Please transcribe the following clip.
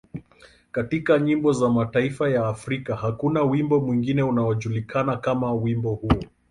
Katika nyimbo za mataifa ya Afrika, hakuna wimbo mwingine unaojulikana kama wimbo huo.